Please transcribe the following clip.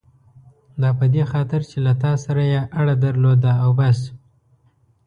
دا په دې خاطر چې له تا سره یې اړه درلوده او بس.